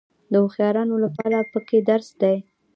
د هوښیارانو لپاره پکې درس دی.